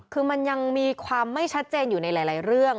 คือมันยังมีความไม่ชัดเจนอยู่ในหลายเรื่อง